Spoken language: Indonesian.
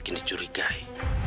dan makin dicurigai